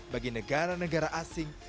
bagi negara negara asing